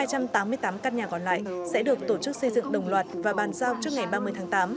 ba trăm tám mươi tám căn nhà còn lại sẽ được tổ chức xây dựng đồng loạt và bàn giao trước ngày ba mươi tháng tám